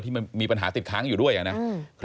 ที่มันมีปัญหาติดค้างอยู่ด้วยอย่างนั้น